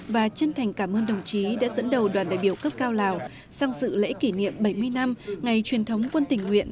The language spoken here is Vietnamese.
và chân thành cảm ơn đồng chí đã dẫn đầu đoàn đại biểu cấp cao lào sang dự lễ kỷ niệm bảy mươi năm ngày truyền thống quân tình nguyện